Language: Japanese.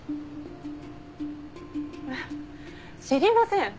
えっ知りません！